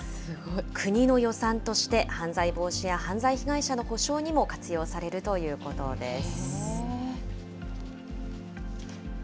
国の予算として、犯罪防止や犯罪被害者の補償にも活用されるということです。